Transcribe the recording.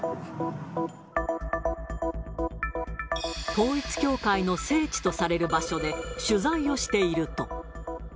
統一教会の聖地とされる場所で、取材をしていると。